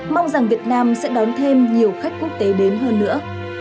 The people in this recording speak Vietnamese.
mong rằng việt nam sẽ đón thêm nhiều khách quốc tế đến hơn nữa